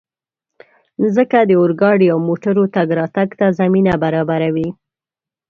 مځکه د اورګاډي او موټرو تګ راتګ ته زمینه برابروي.